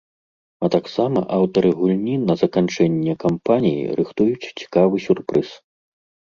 А таксама аўтары гульні на заканчэнне кампаніі рыхтуюць цікавы сюрпрыз.